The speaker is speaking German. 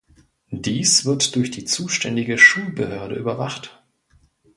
Dies wird durch die zuständige Schulbehörde überwacht.